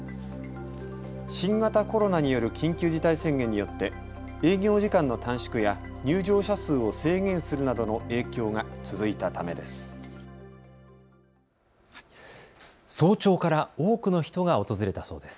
新型コロナによる緊急事態宣言によって営業時間の短縮や入場者数を制限するなどの影響が続いたためです。